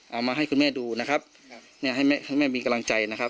เอามาให้คุณแม่ดูนะครับเนี่ยให้แม่มีกำลังใจนะครับ